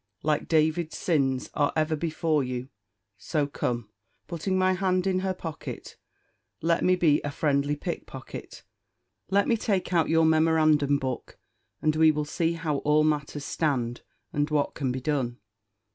like David's sins, are ever before you: so come," putting my hand in her pocket, "let me be a friendly pick pocket; let me take out your memorandum book, and we will see how all matters stand, and what can be done.